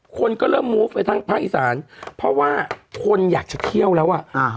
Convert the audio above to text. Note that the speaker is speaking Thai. คนก็เริ่มมูฟไปทั้งภาคอีสานเพราะว่าคนอยากจะเที่ยวแล้วอ่ะ